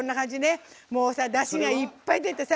もう、だしがいっぱい出てさ